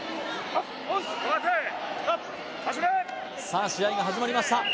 さあ試合が始まりました